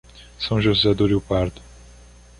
São José do Rio Pardo